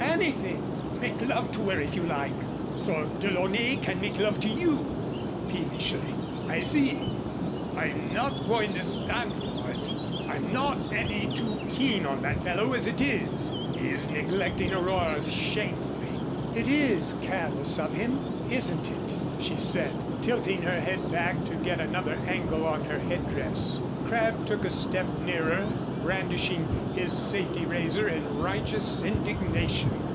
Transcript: Anything make love to her if you like." "So DeLaunay can make love to you," peevishly. "I see. I'm not going to stand for it. I'm not any too keen on that fellow as it is. He's neglecting Aurora shamefully " "It is careless of him, isn't it?" she said, tilting her head back to get another angle on her head dress. Crabb took a step nearer, brandishing his safety razor in righteous indignation.